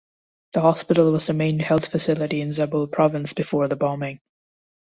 The hospital was the main health facility in Zabul Province before the bombing.